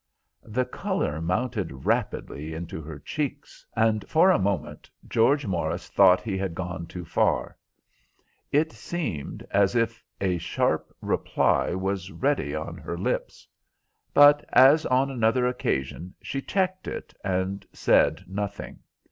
The colour mounted rapidly into her cheeks, and for a moment George Morris thought he had gone too far. It seemed as if a sharp reply was ready on her lips; but, as on another occasion, she checked it and said nothing.